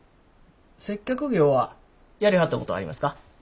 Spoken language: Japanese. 接客業はやりはったことありますか？